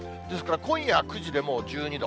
ですから、今夜９時でもう１２度。